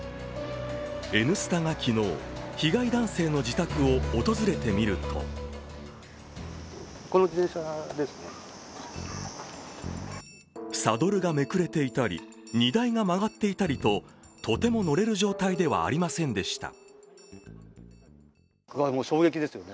「Ｎスタ」が昨日、被害男性の自宅を訪れてみるとサドルがめくれていたり荷台が曲がっていたりととても乗れる状態ではありませんでした。